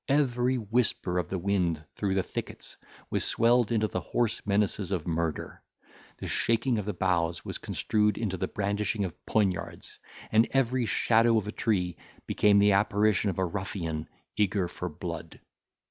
Every whisper of the wind through the thickets was swelled into the hoarse menaces of murder, the shaking of the boughs was construed into the brandishing of poniards, and every shadow of a tree became the apparition of a ruffian eager for blood.